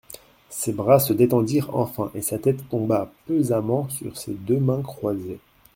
Ses bras se détendirent enfin et sa tête tomba pesamment sur ses deux mains croisées.